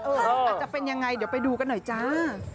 อาจจะเป็นยังไงเดี๋ยวไปดูกันหน่อยจ้า